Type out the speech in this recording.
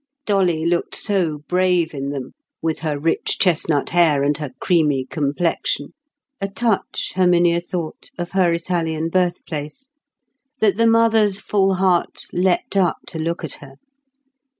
Dolly looked so brave in them, with her rich chestnut hair and her creamy complexion—a touch, Herminia thought, of her Italian birthplace—that the mother's full heart leapt up to look at her.